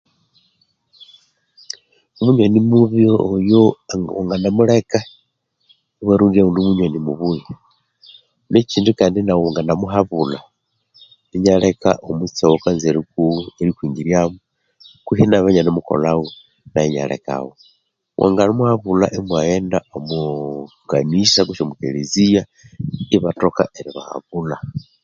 Omunywani mubi oyo wangana muleka iwarondya owundi munywani mubuya, nekyindi kandi nawu wangana muhabulha inaleka omutse owakanza erikwingiryamo kwihi nayo amabya inanemukolhagho nayu inalekagho, wanganamuhabulha imwaghenda omwa kanisa kunze omwa keleziya ibathoka eribahabulha.